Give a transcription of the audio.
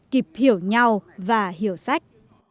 kịp hiểu nhau và hiểu sách